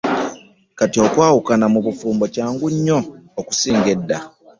Kati olwawukana mu bufumbo kyangu nnyo okusinga edda.